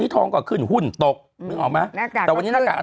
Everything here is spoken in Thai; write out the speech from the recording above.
นุ็มเก็บไว้เยอะกว่าฉัน